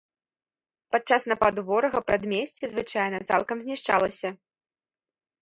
Падчас нападу ворага прадмесце, звычайна, цалкам знішчалася.